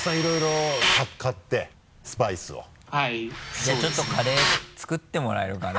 じゃあちょっとカレー作ってもらえるかな？